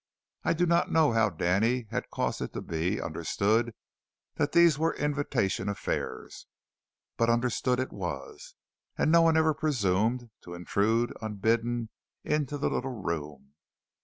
I do not know how Danny had caused it to be understood that these were invitation affairs, but understood it was, and no one ever presumed to intrude unbidden into the little room.